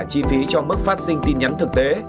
chi phí cho mức phát sinh tin nhắn thực tế